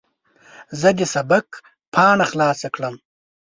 زه د سبق پاڼه خلاصه کړم.